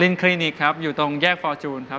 เป็นคลินิกครับอยู่ตรงแยกฟอร์จูนครับ